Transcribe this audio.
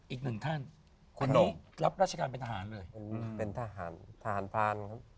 อีกหนึ่งท่านคนนี้รับราชการเป็นทหารเลยเป็นทหารทหารพรานครับ